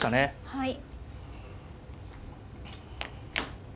はい。